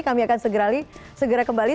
kami akan segera kembali